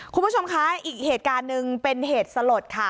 คุณผู้ชมคะอีกเหตุการณ์หนึ่งเป็นเหตุสลดค่ะ